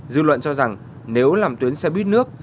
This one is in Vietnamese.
dư luận cho rằng nếu làm tuyến xe buýt nước